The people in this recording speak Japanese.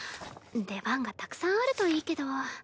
出番がたくさんあるといいけど。